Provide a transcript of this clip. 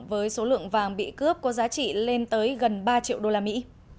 với số lượng vàng bị cướp có giá trị lên tới gần ba triệu đô la mỹ